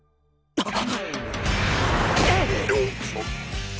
あっ。